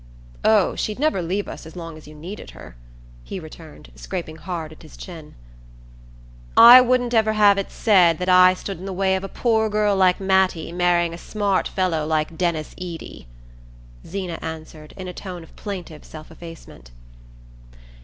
"Oh, she'd never leave us as long as you needed her," he returned, scraping hard at his chin. "I wouldn't ever have it said that I stood in the way of a poor girl like Mattie marrying a smart fellow like Denis Eady," Zeena answered in a tone of plaintive self effacement.